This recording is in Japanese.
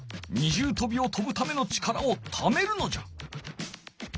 二重とびをとぶための力をためるのじゃ。